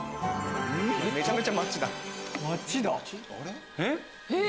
めちゃめちゃ街だ。